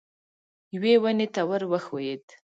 یوې ونې ته ور وښوېد.